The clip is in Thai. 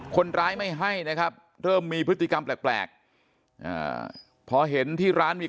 คนร้ายไม่ให้นะครับเริ่มมีพฤติกรรมแปลกพอเห็นที่ร้านมี